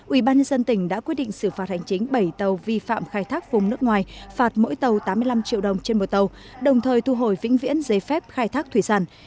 ubnd tỉnh đã quyết định xử phạt hành chính bảy tàu vi phạm khai thác vùng nước ngoài phạt mỗi tàu tám mươi năm triệu đồng trên một tàu đồng thời thu hồi vĩnh viễn giấy phép khai thác thủy sản